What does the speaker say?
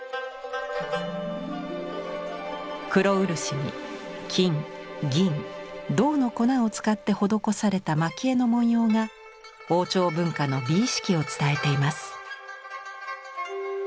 黒漆に金銀銅の粉を使って施された蒔絵の文様が王朝文化の美意識を伝えています。